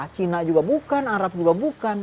cina juga bukan arab juga bukan